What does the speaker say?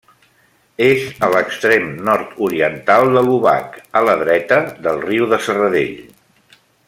És a l'extrem nord-oriental de l'Obac, a la dreta del riu de Serradell.